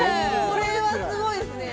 ◆これはすごいっすね。